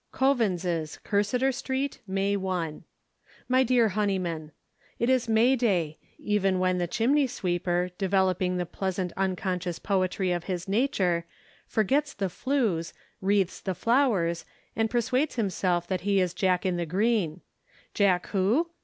Coavins's, Cursitor Street, May 1. MY DEAR HONEYMAN,—It is May day, when even the chimney sweeper, developing the pleasant unconscious poetry of his nature, forgets the flues, wreathes the flowers, and persuades himself that he is Jack in the Green. Jack who?